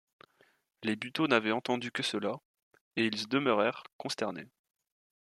Les Buteau n’avaient entendu que cela, et ils demeurèrent consternés.